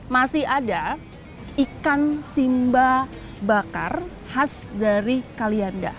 masih ada ikan simba bakar khas dari kalianda